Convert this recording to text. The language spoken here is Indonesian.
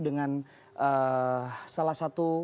dengan salah satu